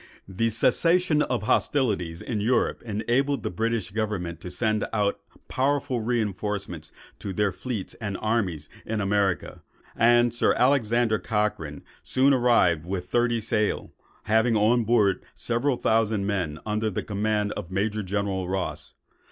The cessation of hostilities in Europe, enabled the British government to send out powerful reinforcements to their fleets and armies in America; and Sir Alexander Cochrane soon arrived with thirty sail, having on board several thousand men, under command of Major General Ross.